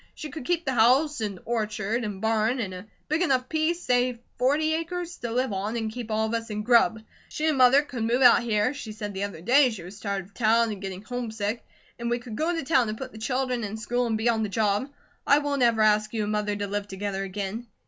She could keep the house, and orchard, and barn, and a big enough piece, say forty acres, to live on and keep all of us in grub. She and Mother could move out here she said the other day she was tired of town and getting homesick and we could go to town to put the children in school, and be on the job. I won't ever ask you and Mother to live together again.